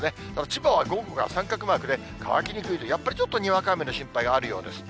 千葉は午後が三角マークで、乾きにくい、やっぱりちょっとにわか雨の心配があるようです。